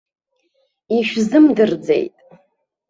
Ишәзымдырӡеит!